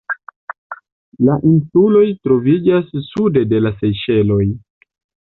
La insuloj troviĝas sude de la Sejŝeloj.